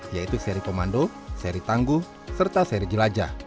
yaitu seri komando seri tangguh serta seri jelajah